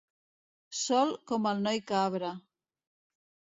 Sol com el noi cabra.